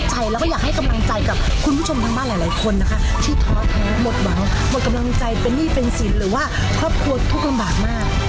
ที่ท้อแท้หมดเบาหมดกำลังใจเป็นหนี้เป็นศิลป์หรือว่าครอบครัวทุกกำบัดมาก